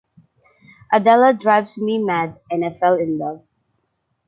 Adela drives me mad and I fell in love.